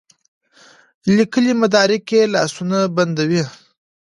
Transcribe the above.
لیکلي مدارک یې لاسونه بندوي.